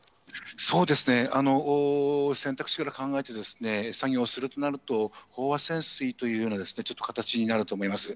そうですね、選択肢から考えて、作業をするとなると、飽和潜水というような形になると思います。